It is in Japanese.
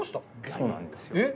そうなんですよ。